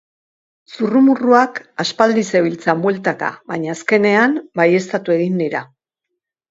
Zurrumurruak aspaldi zebiltzan bueltaka baina azkenean, baieztatu egin dira.